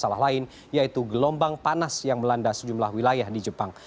masalah lain yaitu gelombang panas yang melanda sejumlah wilayah di jepang